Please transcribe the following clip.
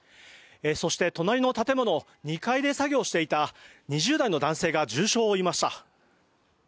そして、隣の建物２階で作業をしていた２０代の男性が重傷を負いました。